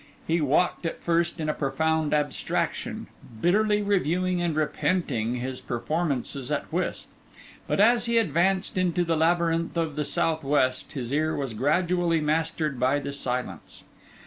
He walked at first in a profound abstraction, bitterly reviewing and repenting his performances at whist; but as he advanced into the labyrinth of the south west, his ear was gradually mastered by the silence.